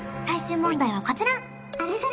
最終問題はこちら！